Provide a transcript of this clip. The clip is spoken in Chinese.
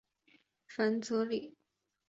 凡泽里什是葡萄牙波尔图区的一个堂区。